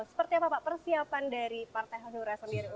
seperti apa pak persiapan dari partai hanura sendiri